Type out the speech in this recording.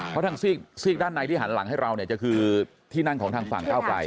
เพราะทางซีกด้านในที่หันหลังให้เราเนี่ยจะคือที่นั่งของทางฝั่งก้าวไกล